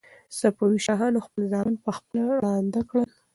صفوي شاهانو خپل زامن په خپله ړانده کړل.